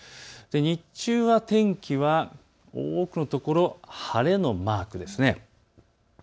日中、天気は多くの所、晴れのマークです。